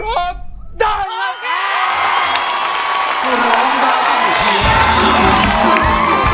ร้องได้หรือว่า